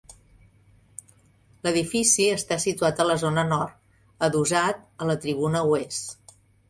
L'edifici està situat a la zona nord, adossat a la tribuna oest.